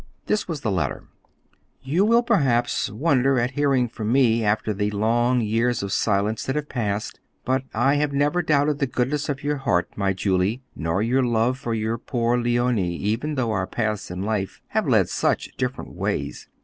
This was the letter: You will perhaps wonder at hearing from me after the long years of silence that have passed, but I have never doubted the goodness of your heart, my Julie, nor your love for your poor Leonie, even though our paths in life have led such different ways.